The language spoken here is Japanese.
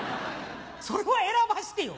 それは選ばしてよ。